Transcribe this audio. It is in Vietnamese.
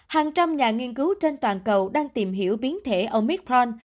hàng trăm nhà nghiên cứu trên toàn cầu đang tìm hiểu biến thể omithon